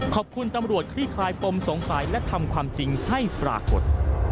ขอบคุณตำรวจคลี่คลายปมสงสัยและทำความจริงให้ปรากฏ